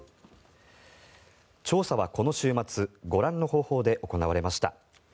調査はこの週末ご覧の方法で行われました。